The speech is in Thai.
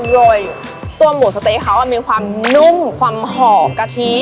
โดยตัวหมูสะเต๊ะเขามีความนุ่มความหอมกะทิ